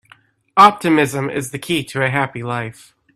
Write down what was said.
Optimism is the key to a happy life.